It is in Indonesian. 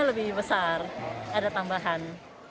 lebih besar ada tambahan